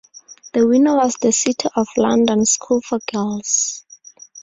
The winner was the City of London School for Girls.